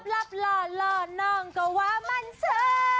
ล่ะล่อเล่าน่องก็ว่ามั่นซ้ย